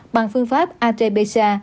bằng phương pháp at bsa